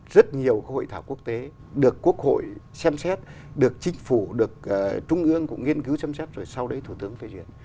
rất nhiều hội thảo quốc tế được quốc hội xem xét được chính phủ được trung ương cũng nghiên cứu xem xét rồi sau đấy thủ tướng phê duyệt